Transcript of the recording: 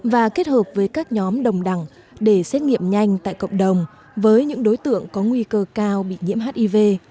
và kết hợp với các nhóm đồng đẳng để xét nghiệm nhanh tại cộng đồng với những đối tượng có nguy cơ cao bị nhiễm hiv